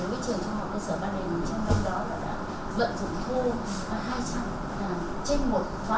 với trường trung học cơ sở ba đình trong lúc đó là đã vận dụng thu khoảng hai trăm linh đồng